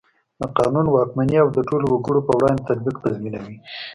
د قانون واکمني او د ټولو وګړو په وړاندې تطبیق تضمینوي.